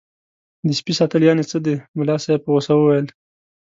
د سپي ساتل یعنې څه دي ملا صاحب په غوسه وویل.